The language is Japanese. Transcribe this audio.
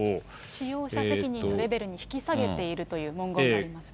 使用者責任のレベルに引き下げているという文言がありますね。